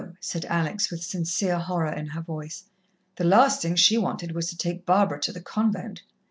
said Alex, with sincere horror in her voice. The last thing she wanted was to take Barbara to the convent.